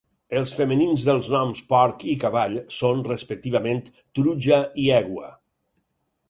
Els femenins dels noms "porc" i "cavall" són respectivament "truja" i "egua".